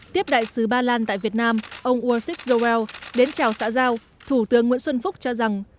tiếp đại sứ ba lan tại việt nam ông ursus joel đến chào xã giao thủ tướng nguyễn xuân phúc cho rằng